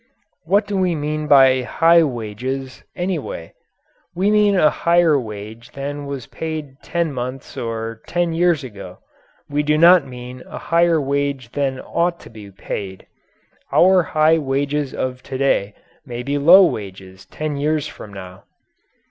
What do we mean by high wages, anyway? We mean a higher wage than was paid ten months or ten years ago. We do not mean a higher wage than ought to be paid. Our high wages of to day may be low wages ten years from now.